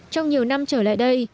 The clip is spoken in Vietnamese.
trong nhiều năm trở lại đây